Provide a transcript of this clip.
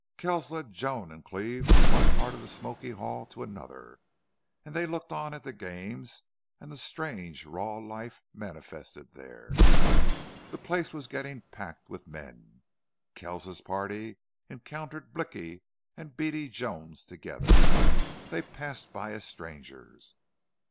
Kells led Joan and Cleve from one part of the smoky hall to another, and they looked on at the games and the strange raw life manifested there. The place was getting packed with men. Kells's party encountered Blicky and Beady Jones together. They passed by as strangers.